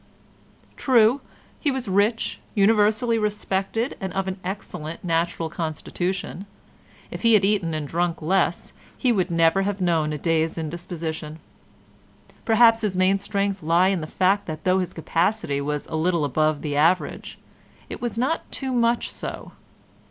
True, he was rich, universally respected and of an excellent natural constitution. If he had eaten and drunk less he would never have known a day's indisposition. Perhaps his main strength lay in the fact that though his capacity was a little above the average, it was not too much so.